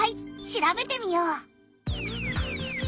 調べてみよう。